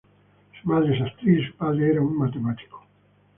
Su madre es actriz y su padre era un matemático.